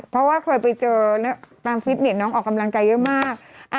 เพราะว่าเคยไปเจอตามฟิตเน็ตน้องออกกำลังกายเยอะมาก